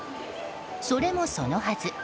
それもそのはず